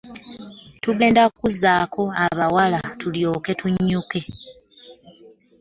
Tugenda kuzzaako abawala tulyoke tunnyuke.